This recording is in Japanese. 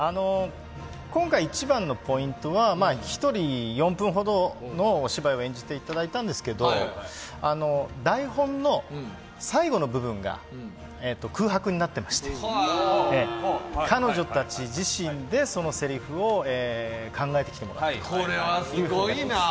今回、一番のポイントは１人４分ほどのお芝居を演じていただいたんですけど台本の最後の部分が空白になっていまして、彼女たち自身で、そのせりふを考えてきてもらったということです。